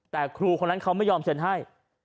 แต่ครูคนนั้นเขาไม่ยอมเซ็นให้